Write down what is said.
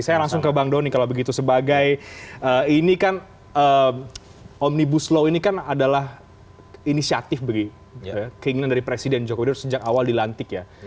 saya langsung ke bang doni kalau begitu sebagai ini kan omnibus law ini kan adalah inisiatif bagi keinginan dari presiden joko widodo sejak awal dilantik ya